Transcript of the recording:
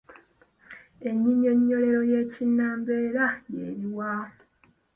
Ennyinyonnyolero y’ekinnambeera y’eluwa?